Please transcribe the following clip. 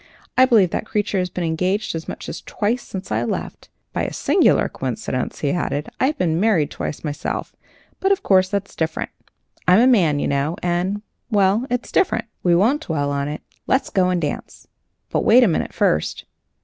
I believe that creature has been engaged as much as twice since I left. By a singular coincidence," he added, "I have been married twice myself but, of course, that's different. I'm a man, you know, and well, it's different. We won't dwell on it. Let's go and dance. But wait a minute first."